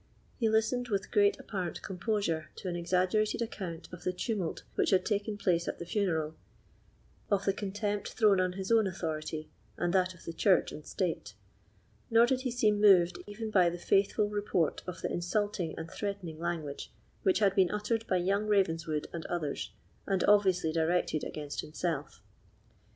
He listened with great apparent composure to an exaggerated account of the tumult which had taken place at the funeral, of the contempt thrown on his own authority and that of the church and state; nor did he seem moved even by the faithful report of the insulting and threatening language which had been uttered by young Ravenswood and others, and obviously directed against himself.